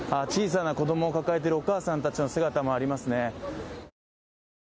小さな子供を抱えているお母さんたちの姿もありますね。